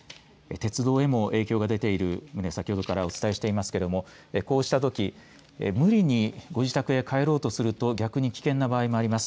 鉄道へも影響が出ている先ほどからお伝えしていますけれどもこうしたとき無理にご自宅に帰ろうとすると逆に危険な場合もあります。